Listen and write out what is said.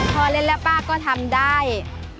พอเล่นแล้วป้าก็ทำได้